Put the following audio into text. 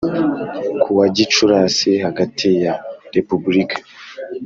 Ku wa gicurasi hagati ya repubulika